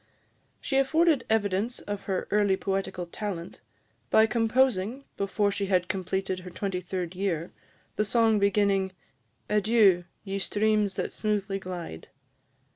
She afforded evidence of her early poetical talent, by composing, before she had completed her twenty third year, the song beginning, "Adieu! ye streams that smoothly glide."